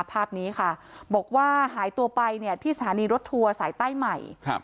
ภาพนี้ค่ะบอกว่าหายตัวไปเนี่ยที่สถานีรถทัวร์สายใต้ใหม่ครับ